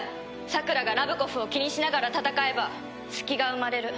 さくらがラブコフを気にしながら戦えば隙が生まれる。